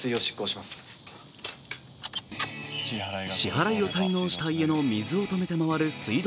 支払いを滞納した家の水を止めて回る水道